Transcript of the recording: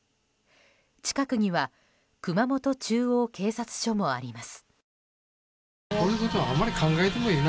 近くには熊本中央警察署もあります。